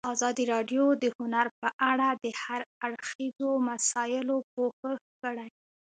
ازادي راډیو د هنر په اړه د هر اړخیزو مسایلو پوښښ کړی.